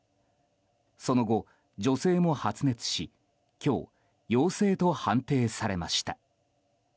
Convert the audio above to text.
その後、女性も発熱し今日、陽性と判定されました。